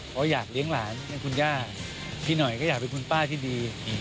เพราะอยากเลี้ยงหลานเลี้ยงคุณย่าพี่หน่อยก็อยากเป็นคุณป้าที่ดี